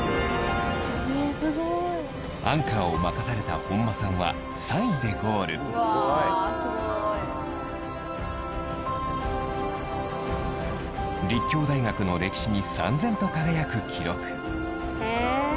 アンカーを任された本間さんは立教大学の歴史に燦然と輝く記録